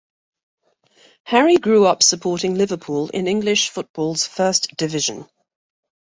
Harry grew up supporting Liverpool in English football's First Division.